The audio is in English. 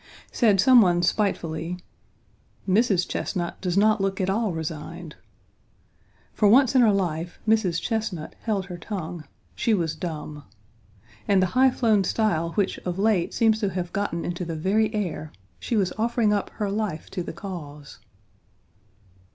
Said some one spitefully, "Mrs. Chesnut does not look at all resigned." For once in her life, Mrs. Chesnut held her tongue: she was dumb. In the high flown style which of late seems to have gotten into the very air, she was offering up her life to the cause.